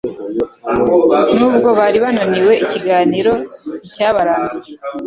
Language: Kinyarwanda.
N'ubwo bari bananiwe ikiganiro nticyabarambiye.